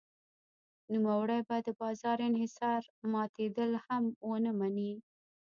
نوموړی به د بازار انحصار ماتېدل هم ونه مني.